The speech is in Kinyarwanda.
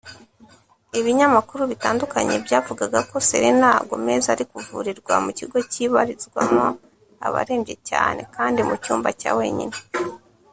Ibinyamakuru bitandukanye byavugaga ko Selena Gomez ari kuvurirwa mu kigo cyibarizwamo abarembye cyane kandi mu cyumba cya wenyine